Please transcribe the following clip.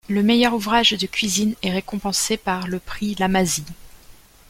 Le meilleur ouvrage de cuisine est récompensé par le prix La Mazille.